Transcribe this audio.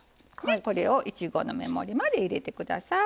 これを１合の目盛りまで入れてください。